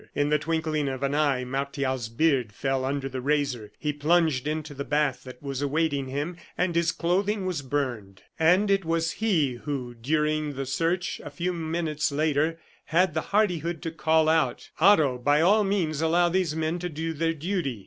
In the twinkling of an eye Martial's beard fell under the razor; he plunged into the bath that was awaiting him, and his clothing was burned. And it was he who, during the search a few minutes later, had the hardihood to call out: "Otto, by all means allow these men to do their duty."